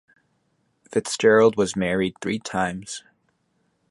Fitzgerald was married three times.